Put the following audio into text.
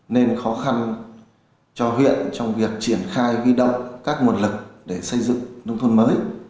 nên khó khăn cho huyện trong việc triển khai ghi động các nguồn lực để xây dựng nông thôn mới